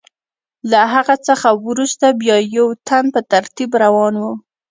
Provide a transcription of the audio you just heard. له هغه څخه وروسته بیا یو تن په ترتیب روان و.